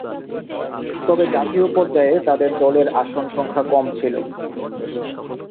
তবে জাতীয় পর্যায়ে তাদের দলের আসন সংখ্যা কম ছিল।